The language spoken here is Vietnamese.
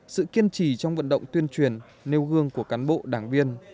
sự kiên trì trong vận động tuyên truyền nêu gương của cán bộ đảng viên